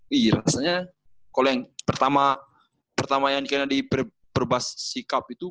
wih rasanya kalo yang pertama yang di perbas sikap itu